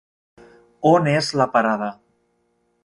On és la parada?